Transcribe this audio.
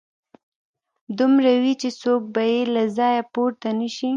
دومره وي چې څوک به يې له ځايه پورته نشي